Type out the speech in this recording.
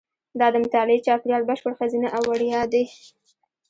دا د مطالعې چاپېریال بشپړ ښځینه او وړیا دی.